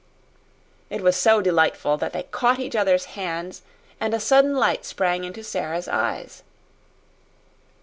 It was so delightful that they caught each other's hands and a sudden light sprang into Sara's eyes.